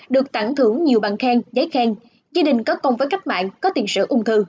được tặng thưởng nhiều bằng khen giấy khen gia đình có công với cách mạng có tiền sử ung thư